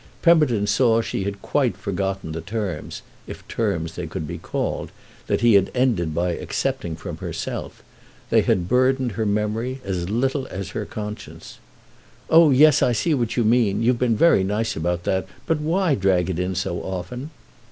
Pemberton saw she had quite forgotten the terms—if "terms" they could be called—that he had ended by accepting from herself; they had burdened her memory as little as her conscience. "Oh yes, I see what you mean—you've been very nice about that; but why drag it in so often?"